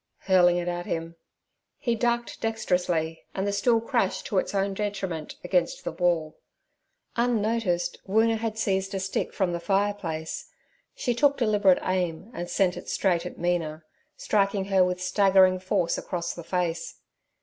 '—hurling it at him. He ducked dexterously, and the stool crashed to its own detriment against the wall. Unnoticed, Woona had seized a stick from the fire place; she took deliberate aim, and sent it straight at Mina, striking her with staggering force across the face.